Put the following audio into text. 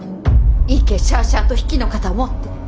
いけしゃあしゃあと比企の肩を持って。